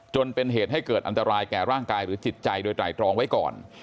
จนเป็นเหตุให้เกิดอันตรายแก่ร่างกายหรือจิตใจโดยไตรตรองไว้ก่อน